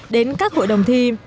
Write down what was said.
đến các hội đồng thi